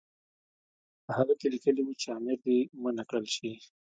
په هغه کې لیکلي وو چې امیر دې منع کړل شي.